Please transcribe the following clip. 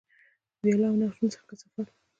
ویالو او نهرونو څخه کثافات.